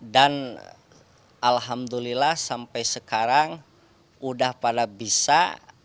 dan alhamdulillah sampai sekarang sudah pada bisa